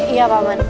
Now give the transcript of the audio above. iya pak man